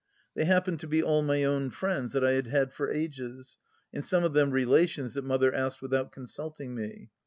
They happened to be all my own friends that I had had for ages, and some of them relations that Mother asked without consulting me.